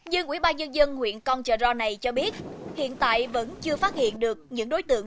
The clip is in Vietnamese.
nhưng quỹ ba nhân dân huyện con trờ ro này cho biết hiện tại vẫn chưa phát hiện được những đối chứng